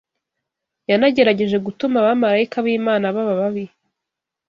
Yanagerageje gutuma abamarayika b’Imana baba babi.